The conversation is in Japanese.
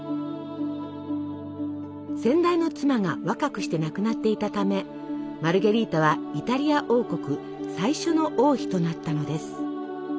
先代の妻が若くして亡くなっていたためマルゲリータはイタリア王国最初の王妃となったのです。